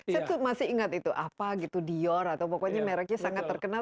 saya masih ingat itu apa gitu dior atau pokoknya mereknya sangat terkenal